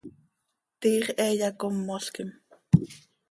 Tiix he yacómolquim.